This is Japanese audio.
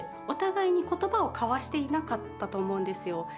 お互いに言葉を交わしていなかったと思うんですよ。